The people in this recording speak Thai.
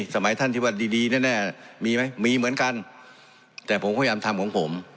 สมัยท่านที่ว่าดีดีแน่มีไหมมีเหมือนกันแต่ผมพยายามทำของผม